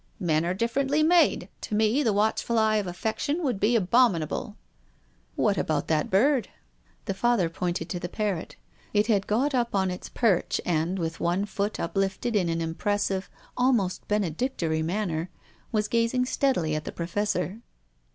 " Men are differently made. To me the watch ful eye of affection would be abominable." " What about that bird ?" The Father pointed to the parrot. It had got up on its perch and, with one foot uplifted in an impressive, almost benedictory, manner, was gaz ing steadily at the Professor.